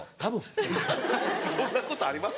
そんなことあります？